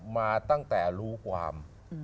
มาตั้งแต่รู้ความ